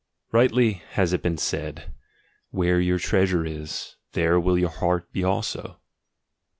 Rightly has it been said: "Where your treasure is, there will your heart be also."